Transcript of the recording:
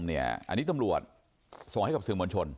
อันนี้ตำรวจส่งให้กับสื่อมวลชน